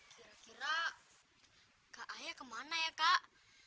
kira kira kak ayah kemana ya kak